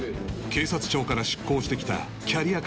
警察庁から出向してきたキャリア